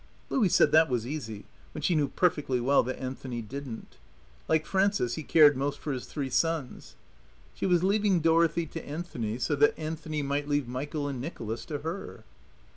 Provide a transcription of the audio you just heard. Louie said that was easy when she knew perfectly well that Anthony didn't. Like Frances he cared most for his three sons. She was leaving Dorothy to Anthony so that Anthony might leave Michael and Nicholas to her.